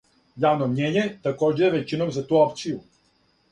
Јавно мњење такође је већином за ту опцију.